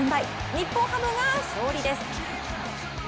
日本ハムが勝利です。